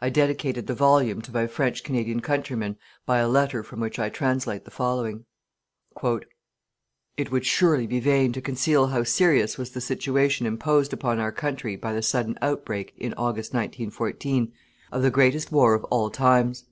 I dedicated the volume to my French Canadian countrymen by a letter from which I translate the following: "It would surely be vain to conceal how serious was the situation imposed upon our country by the sudden outbreak, in August, 1914, of the greatest war of all times.